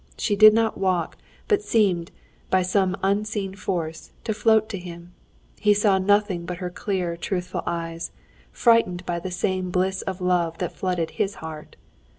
She did not walk, but seemed, by some unseen force, to float to him. He saw nothing but her clear, truthful eyes, frightened by the same bliss of love that flooded his heart.